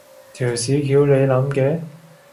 條屎橋你諗嘅？